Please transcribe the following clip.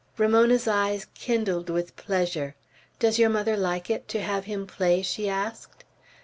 Ramona's eyes kindled with pleasure. "Does your mother like it, to have him play?" she asked.